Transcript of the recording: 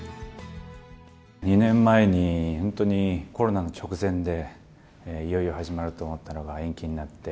２年前に、本当にコロナの直前でいよいよ始まると思ったのが延期になって。